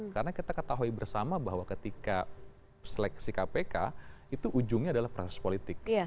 karena kita ketahui bersama bahwa ketika seleksi kpk itu ujungnya adalah proses politik